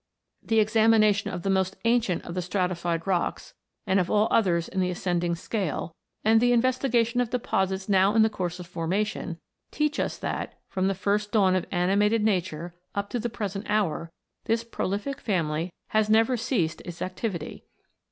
The examination of the most ancient of the stratified rocks, and of all others in the as 222 THE INVISIBLE WORLD. cending scale, and the investigation of deposits now in the course of formation, teach us that, from the first dawn of animated nature up to the present hour, this prolific family has never ceased its activity.